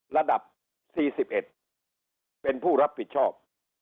ระดับ๔๑เป็นผู้รับผิดชอบ